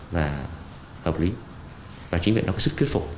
và hợp lý và chính viện nó có sức kết phục